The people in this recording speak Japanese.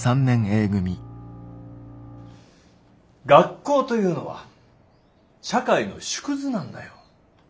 学校というのは社会の縮図なんだよ。